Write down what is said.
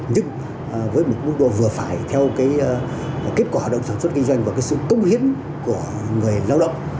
nhưng với một mức độ vừa phải theo cái kết quả hoạt động sản xuất kinh doanh và cái sự công hiến của người lao động